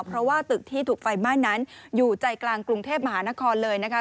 เพราะว่าตึกที่ถูกไฟไหม้นั้นอยู่ใจกลางกรุงเทพมหานครเลยนะคะ